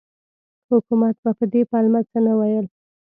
حکومت به په دې پلمه څه نه ویل.